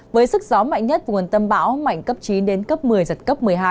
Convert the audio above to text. với sức gió mạnh nhất vùng tâm bão mạnh cấp chín đến cấp một mươi giật cấp một mươi hai